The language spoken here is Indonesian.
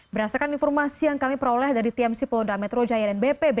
berdasarkan informasi yang kami peroleh dari tmc polda metro jaya dan bpb